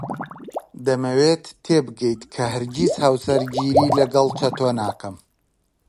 دەمەوێت تێبگەیت کە هەرگیز هاوسەرگیری لەگەڵ چەتۆ ناکەم.